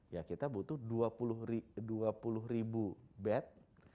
ya kita butuh dua puluh ribu bed